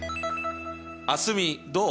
蒼澄どう？